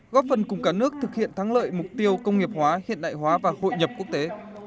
góp phần cùng cả nước thực hiện thắng lợi mục tiêu công nghiệp hóa hiện đại hóa và hội nhập quốc tế